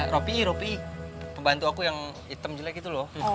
ropi ropi pembantu aku yang hitam jelek gitu loh